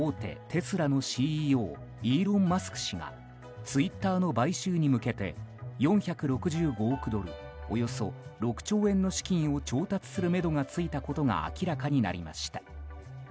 テスラのＣＥＯイーロン・マスク氏がツイッターの買収に向けて４６５億ドル、およそ６兆円の資金を調達するめどがついたことが明らかになりました。